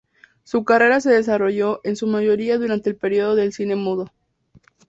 Su carrera se desarrolló en su mayoría durante el período del cine mudo.